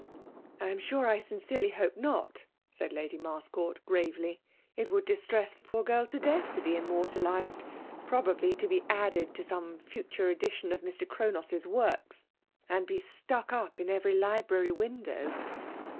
''I am sure I sincerely hope not!'' said Lady Marscourt^ gravely. '* It would di8tr<!:3s the poor girl to death to be immortalized — probably to be added to some future edition of Mr. Chronos*s works, and be stuck up in every library window.'